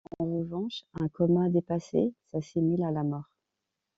En revanche, un coma dépassé s'assimile à la mort.